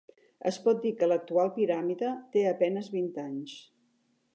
Es pot dir que l'actual piràmide té a penes vint anys.